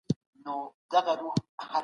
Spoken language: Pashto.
يو ځوان په برخي کي ښه کار کړی.